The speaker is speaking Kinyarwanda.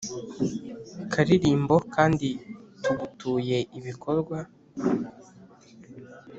kalirimbo kandi tugutuye ibikorwa